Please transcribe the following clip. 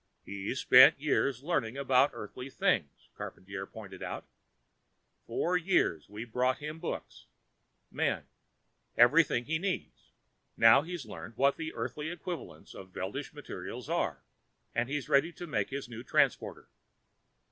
"He's spent years learning about Earthly things," Charpantier pointed out. "For years, we've brought him books. Men. Everything he needs. Now he's learned what the Earthly equivalents of Veldish materials are, and he's ready to make his new transporter."